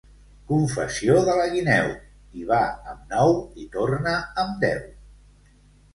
Confessió de la guineu, hi va amb nou i torna amb deu.